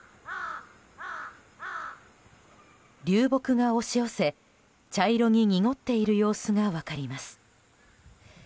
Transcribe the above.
流木が押し寄せ、茶色に濁っている様子が分かります。